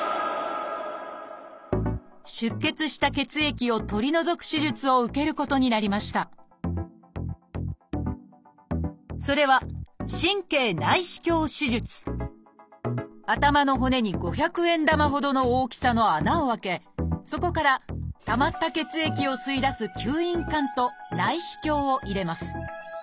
出血した血液を取り除く手術を受けることになりましたそれは頭の骨に五百円玉ほどの大きさの穴を開けそこからたまった血液を吸い出す吸引管と内視鏡を入れます。